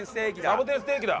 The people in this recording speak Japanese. サボテンステーキだ。